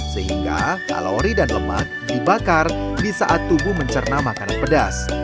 sehingga kalori dan lemak dibakar di saat tubuh mencerna makanan pedas